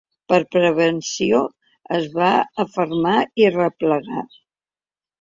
Per prevenció es va afermar i replegar.